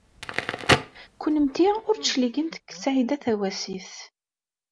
Kennemti ur d-tecligemt seg Saɛida Tawasift.